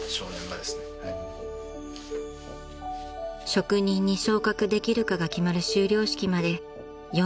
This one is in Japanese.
［職人に昇格できるかが決まる修了式まで４カ月］